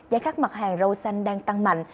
giá các mặt hàng râu xanh đang tăng mạnh